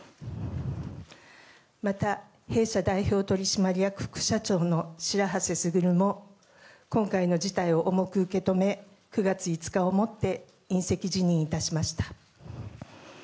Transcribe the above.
また、弊社代表取締役副社長の白波瀬傑も今回の事態を重く受け止め９月５日をもって引責辞任いたしました。